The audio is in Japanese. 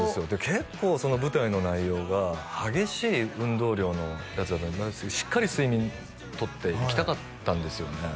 結構舞台の内容が激しい運動量のやつだったんでしっかり睡眠とって行きたかったんですよね